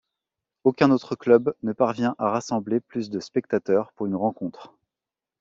Aucun autre club ne parvient à rassembler plus de spectateurs pour une rencontre.